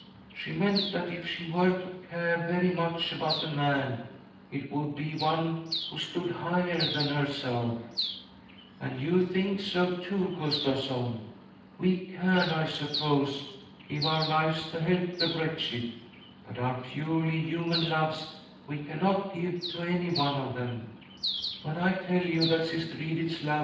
She meant that if she were to care very much about a man, it would be one who stood higher than herself — and you think so too, Gustavsson. We can, I suppose, give our lives to help the wretched, but our purely human love we cannot give to any ii a___a£ t ——